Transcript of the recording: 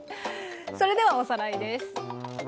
それではおさらいです。